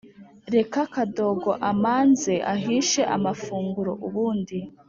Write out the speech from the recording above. reka kadogo amanze ahishe amafunguro ubundi